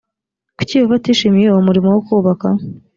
kuki yehova atishimiye uwo murimo wo kubaka?